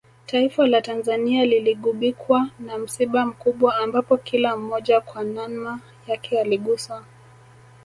Taifa la Tanzania liligubikwa na msiba mkubwa ambapo kila mmoja kwa nanma yake aliguswa